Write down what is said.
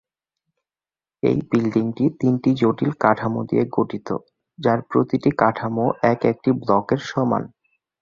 এই বিল্ডিংটি তিনটি জটিল কাঠামো দিয়ে গঠিত, যার প্রতিটি কাঠামো এক একটি ব্লকের সমান।